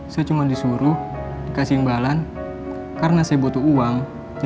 saya cuman disuruh dikasih imbalan dan disuruh untuk meneror anak saya